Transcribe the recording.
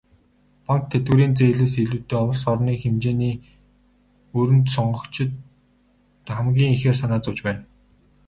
Банк, тэтгэврийн зээлээс илүүтэй улс орны хэмжээний өрөнд сонгогчид хамгийн ихээр санаа зовж байна.